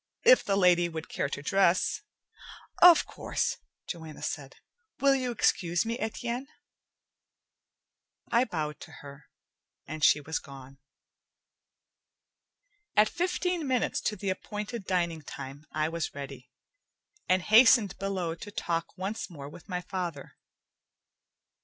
"If the lady would care to dress " "Of course," Joanna said. "Will you excuse me, Etienne?" I bowed to her, and she was gone. At fifteen minutes to the appointed dining time, I was ready, and hastened below to talk once more with my father.